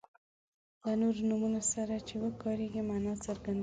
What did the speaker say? له نورو نومونو سره چې وکاریږي معنا څرګندوي.